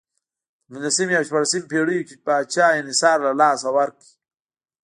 په پنځلسمې او شپاړسمې پېړیو کې پاچا انحصار له لاسه ورکړ.